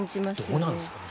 どうなんですかね